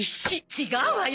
違うわよ！